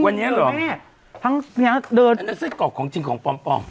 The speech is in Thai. วันนี้หรอของจริงนะ